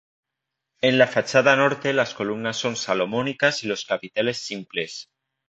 En la fachada norte las columnas son salomónicas y los capiteles simples.